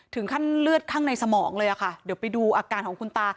ถึงขั้นเลือดข้างในสมองเลยค่ะเดี๋ยวไปดูอาการของคุณตา